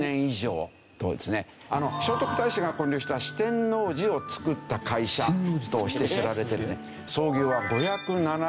聖徳太子が建立した四天王寺を造った会社として知られてて創業は５７８年。